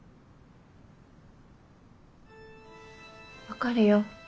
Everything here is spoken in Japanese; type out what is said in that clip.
分かるよ。